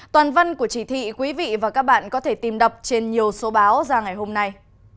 toàn văn của chỉ thị quý vị và các bạn có thể tìm đọc trên nhiều số báo ra ngày hôm nay